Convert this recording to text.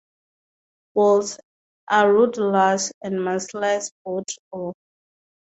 Gules, a rudderless and mastless boat Or.